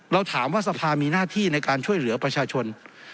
เราถามว่าสภามีหน้าที่ในการช่วยเหลือประชาชน